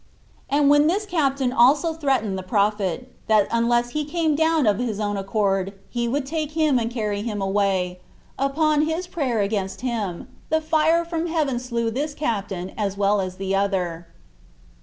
And when this captain also threatened the prophet, that unless he came down of his own accord, he would take him and carry him away, upon his prayer against him, the fire [from heaven] slew this captain as well the other.